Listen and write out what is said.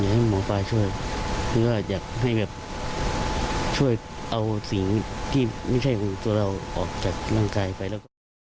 อยากให้หมูฟ้าช่วยอยากให้ช่วยเอาสีที่ไม่ใช่ตัวเราออกจากร่างกายไปแล้วก็